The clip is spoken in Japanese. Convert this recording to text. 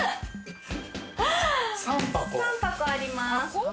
３箱あります。